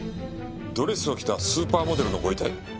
ドレスを着たスーパーモデルのご遺体！？